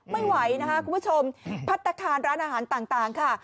ไม่ไหวนะคะคุณผู้ชมพัฒนาคารร้านอาหารต่างค่ะ